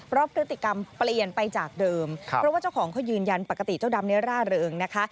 พฤติกรรมเปลี่ยนไปจากเดิมเพราะว่าเจ้าของเขายืนยันปกติเจ้าดำนี้ร่าเริงนะคะ